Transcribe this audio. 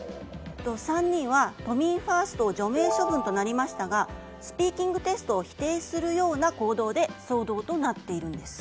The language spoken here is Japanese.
３人は都民ファーストを除名処分となりましたがスピーキングテストを否定するような行動で騒動となっているんです。